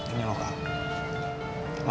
ini loh kak